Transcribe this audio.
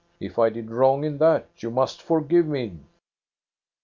If I did wrong in that, you must forgive me."